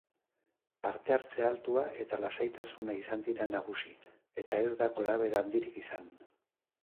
Parte-hartze altua eta lasaitasuna izan dira nagusi eta ez da gorabehera handirik izan.